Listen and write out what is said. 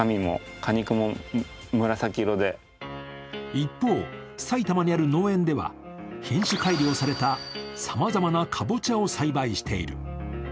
一方、埼玉にある農園では、品種改良されたさまざまなカボチャを栽培している。